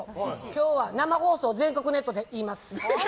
今日は生放送、全国ネットで言います。